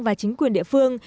và chính quyền địa phương